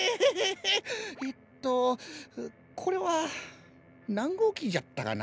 えっとこれはなんごうきじゃったかな？